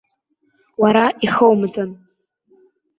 Уара ихоумҵан!